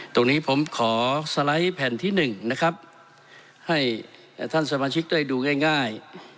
ตรงนี้ผมขอสไลด์แผ่นที่๑นะครับให้ท่านสมาชิกได้ดูง่าย